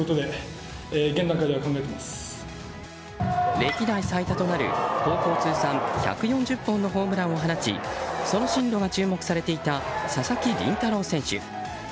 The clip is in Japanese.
歴代最多となる高校通算１４０本のホームランを放ちその進路が注目されていた佐々木麟太郎選手。